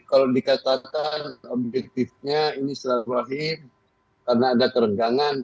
kalau dikatakan objektifnya ini selalu rahim karena ada kerenggangan